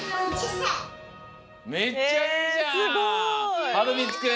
めっちゃいいじゃん！